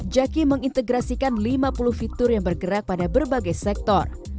jaki mengintegrasikan lima puluh fitur yang bergerak pada berbagai sektor